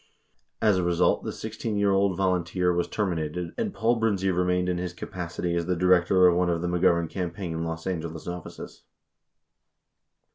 As a result, the 16 year old volunteer was terminated, and Paul Brindze remained in his capacity as the director of one of the McGovern campaign local Los Angeles offices.